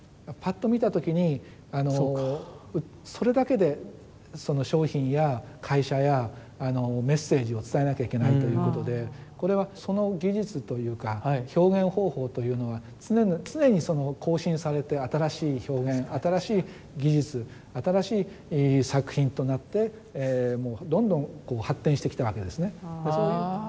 ぱっと見た時にそれだけでその商品や会社やメッセージを伝えなきゃいけないということでこれはその技術というか表現方法というのは常に更新されて新しい表現新しい技術新しい作品となってどんどん発展してきたわけですね。